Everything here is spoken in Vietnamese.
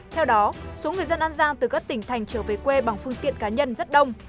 theo đó số người dân an giang từ các tỉnh thành trở về quê bằng phương tiện cá nhân rất đông